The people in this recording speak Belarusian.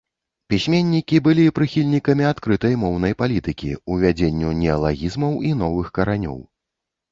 Пісьменнікі былі прыхільнікамі адкрытай моўнай палітыкі, увядзенню неалагізмаў і новых каранёў.